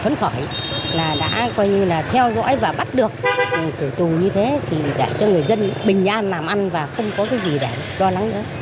phấn khỏi là đã coi như là theo dõi và bắt được tử tù như thế thì đã cho người dân bình an làm ăn và không có cái gì để đo nắng nữa